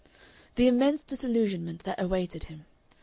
The immense disillusionment that awaited him!